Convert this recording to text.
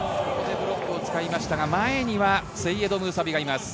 ブロックを使いましたが、前にはセイエド・ムーサビがいます。